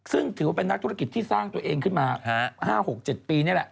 ซึ่งถือว่าเป็นนักธุรกิจที่สร้างตัวเองขึ้นมา๕๖๗ปีนี่แหละ